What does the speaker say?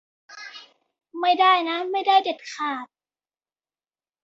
ไม่ได้นะ ไม่ได้เด็ดขาด